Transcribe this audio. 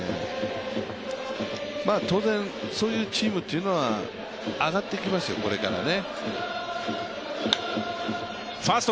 当然、そういうチームというのは上がっていきますよ、これからね。